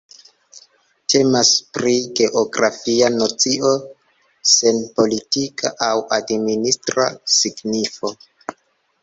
Temas pri geografia nocio sen politika aŭ administra signifo.